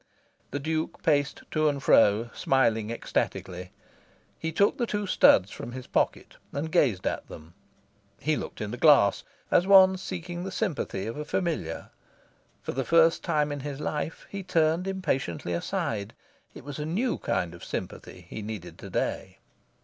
The Duke paced to and fro, smiling ecstatically. He took the two studs from his pocket and gazed at them. He looked in the glass, as one seeking the sympathy of a familiar. For the first time in his life, he turned impatiently aside. It was a new kind of sympathy he needed to day.